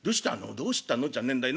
「どうしたのじゃねんだよ。